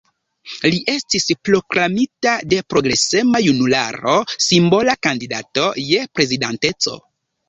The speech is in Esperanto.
Li estis proklamita de progresema junularo simbola kandidato je Prezidanteco.